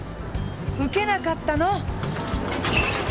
受けなかったの？